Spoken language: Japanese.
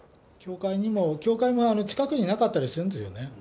教会が近くになかったりするんですよね。